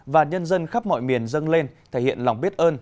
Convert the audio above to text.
và nhân dân khắp mọi miền dâng lên thể hiện lòng biết ơn